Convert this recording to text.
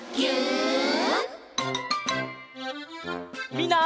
みんな。